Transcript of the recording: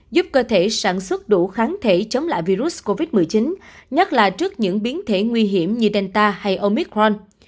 giúp cơ thể sản xuất đủ kháng thể chống lại virus covid một mươi chín nhất là trước những biến thể nguy hiểm như delta hay omicron